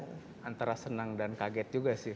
ya antara senang dan kaget juga sih